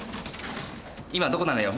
今どこなのよ？